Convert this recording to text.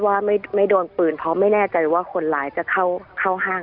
ว่าไม่โดนปืนเพราะไม่แน่ใจว่าคนร้ายจะเข้าห้าง